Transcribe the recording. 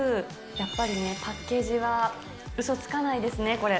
やっぱりね、パッケージはうそつかないですね、これ。